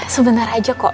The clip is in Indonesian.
sebentar aja kok